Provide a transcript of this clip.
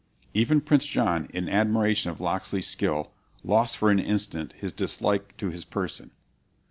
"Even Prince John, in admiration of Locksley's skill, lost for an instant his dislike to his person.